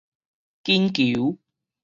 緊球